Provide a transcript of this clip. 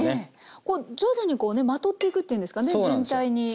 こう徐々にこうねまとっていくというんですかね全体に。